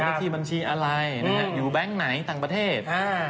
ที่บัญชีอะไรอยู่แบงค์ไหนต่างประเทศ